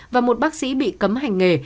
và một bác sĩ bị cấm hành nghề